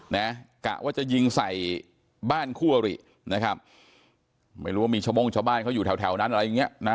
กะว่าจะยิงใส่บ้านคู่อรินะครับไม่รู้ว่ามีชาวโม่งชาวบ้านเขาอยู่แถวแถวนั้นอะไรอย่างเงี้ยนะ